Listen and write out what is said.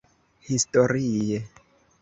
Historie